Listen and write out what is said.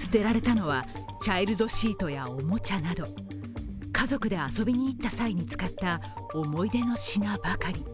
捨てられたのはチャイルドシートやおもちゃなど家族で遊びに行った際に使った思い出の品ばかり。